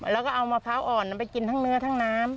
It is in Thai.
แล้วก็เอามะพร้าวอ่อนไปกินทั้งเนื้อทั้งน้ำ